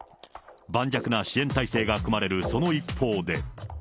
盤石な支援体制が組まれるその一方で。